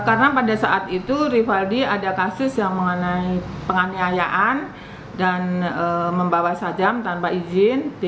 karena pada saat itu rivaldi ada kasus yang mengenai penganiayaan dan membawa sajam tanpa izin